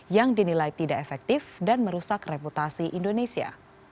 yang dinilai tidak efektif dan merusak reputasi indonesia